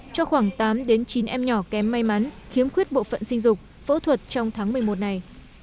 cho khoảng tám chín em nhỏ kém may mắn khiếm khuyết bộ phận sinh dục phẫu thuật trong tháng một mươi một này